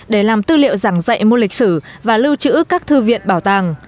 để làm tư liệu giảng dạy môn lịch sử và lưu trữ các thư viện bảo tàng